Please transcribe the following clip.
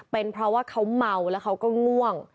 เป็นเพราะว่าเขาเมาแล้วเขาก็ง่วง